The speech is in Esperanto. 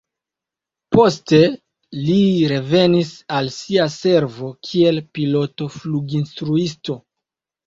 Poste li revenis al sia servo kiel piloto-fluginstruisto.